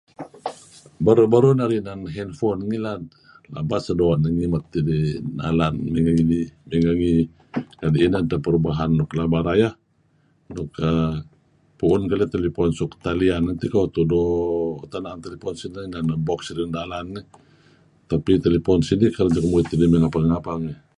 Beruh-beruh narih inan hand phone ngilad, pelaba sedoo' narih ngimet idih nalan mey nginih mey ngengi . Kadi' inan teh perubahan nuk pelaba rayeh... nuk err... pu'un keleyh telepon suk talian tiko. tudo... Tak na'em telepon sineh neh box sineh na'em nalan. Tapi telepon sinih kereb tiko muit dih mey ngapeh-ngapeh ngih.